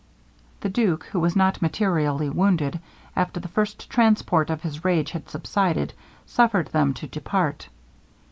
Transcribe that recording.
The duke, who was not materially wounded, after the first transport of his rage had subsided, suffered them to depart.